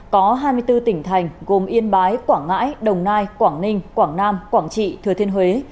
có hai mươi bốn tỉnh thành gồm yên bái quảng ngãi đồng nai quảng ninh quảng nam quảng trị thừa thiên huế